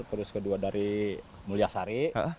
terus kedua dari mulyasari